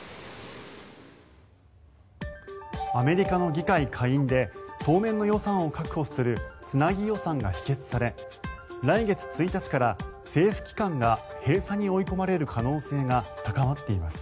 アメリカの議会下院で当面の予算を確保するつなぎ予算が否決され来月１日から政府機関が閉鎖に追い込まれる可能性が高まっています。